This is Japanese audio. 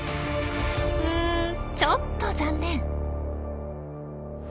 うんちょっと残念。